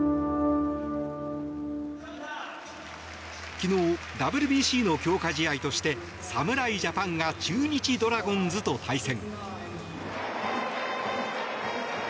昨日、ＷＢＣの強化試合として侍ジャパンが中日ドラゴンズと対戦。